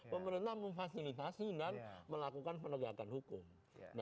pemerintah memfasilitasi dan melakukan penegakan hukum